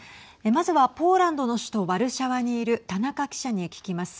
まずはポーランドの首都ワルシャワにいる田中記者に聞きます。